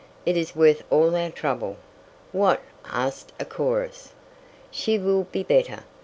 "It is worth all our trouble." "What!" asked a chorus. "She will be better!